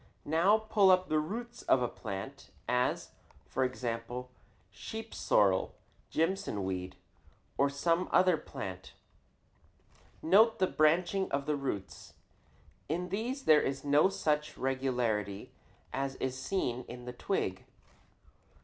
Now pull up the roots of a plant, as, for example, sheep sorrel, Jimson weed, or some other plant. Note the branching of the roots. In these there is no such regularity as is seen in the twig.